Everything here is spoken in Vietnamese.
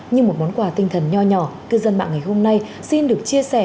như một món quà tinh thần nhỏ nhỏ cư dân mạng ngày hôm nay xin được chia sẻ